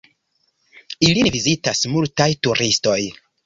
Ilin vizitas multaj turistoj.